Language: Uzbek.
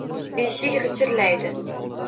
Beshik g‘ichirlaydi.